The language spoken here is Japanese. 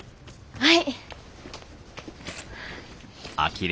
はい。